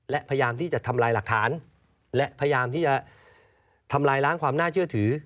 และพยายามที่จะทำลายหลักฐานและพยายามที่จะทำลายล้างความน่าเชื่อถือ